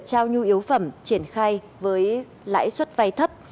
trao nhu yếu phẩm triển khai với lãi suất vay thấp